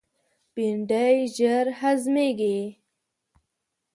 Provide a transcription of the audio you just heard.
بېنډۍ ژر هضمیږي